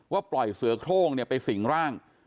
ว่าปล่อยเสือโครงเนี่ยไปสิงร่าง